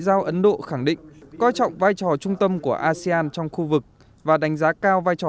giao ấn độ khẳng định coi trọng vai trò trung tâm của asean trong khu vực và đánh giá cao vai trò